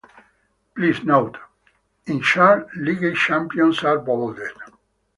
Please note: In chart, league champions are bolded.